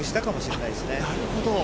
なるほど。